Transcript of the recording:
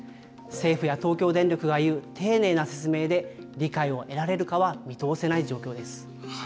政府や東京電力がいう丁寧な説明で、理解を得られるかは見通せない状況です。